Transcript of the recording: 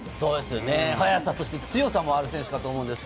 速さ、そして強さもある選手だと思います。